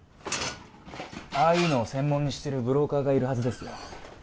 ああいうのを専門にしてるブローカーがいるはずですよ。